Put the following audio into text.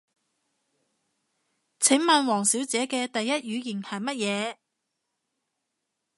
請問王小姐嘅第一語言係乜嘢？